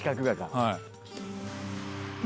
はい。